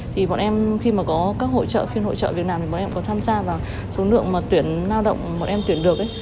thì bọn em khi mà có các hội trợ phiên hội trợ việc làm thì bọn em có tham gia vào số lượng mà tuyển lao động bọn em tuyển được ấy